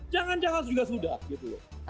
jangan jangan juga sudah gitu loh